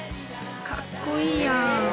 かっこいいやん。